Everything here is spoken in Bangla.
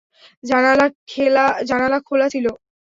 জানালা খোলা ছিল।